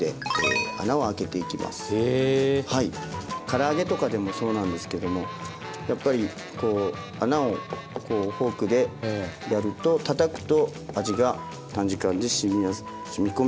から揚げとかでもそうなんですけどもやっぱりこう穴をフォークでやるとたたくと味が短時間でしみこみやすいということなので。